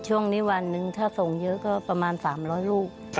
ช่วงนี้วันหนึ่งถ้าส่งเยอะก็ประมาณ๓๐๐ลูก